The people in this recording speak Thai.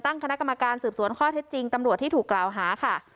ตั้งคณะกรรมการสืบสวนข้อเท็จจริงตำรวจที่ถูกกล่าวหาค่ะ